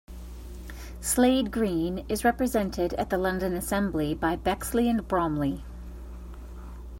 Slade Green is represented at the London Assembly by Bexley and Bromley.